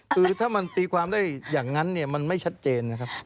คือถ้ามันตีความได้อย่างนั้นเนี่ยมันไม่ชัดเจนนะครับ